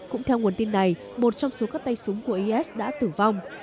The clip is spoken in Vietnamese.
cũng theo nguồn tin này một trong số các tay súng của is đã tử vong